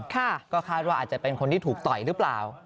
ก็คาดว่าอาจจะเป็นคนที่ถูกต่อยหรือเปล่า